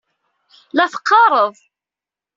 La teqqaṛeḍ.